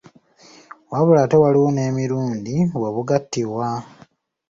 Wabula ate waliwo n’emirundi we bugattibwa.